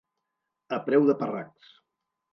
A preu de parracs.